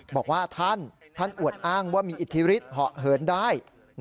บอกว่าท่านท่านอวดอ้างว่ามีอิทธิฤทธิเหาะเหินได้